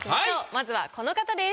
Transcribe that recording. まずはこの方です。